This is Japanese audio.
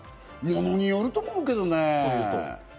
物によると思うけどね。